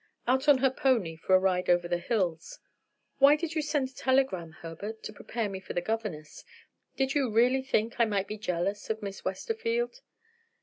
"Out on her pony for a ride over the hills. Why did you send a telegram, Herbert, to prepare me for the governess? Did you really think I might be jealous of Miss Westerfield?"